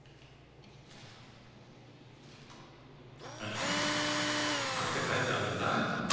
んなんて書いてあるんだ？